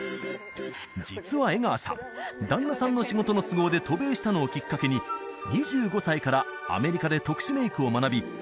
実は江川さん旦那さんの仕事の都合で渡米したのをきっかけに２５歳からアメリカで特殊メイクを学び